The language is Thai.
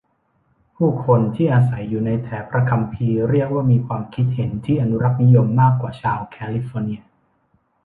ผู้คนที่อาศัยอยู่ในแถบพระคัมภีร์เรียกว่ามีความคิดเห็นที่อนุรักษ์นิยมมากกว่าชาวแคลิฟอร์เนีย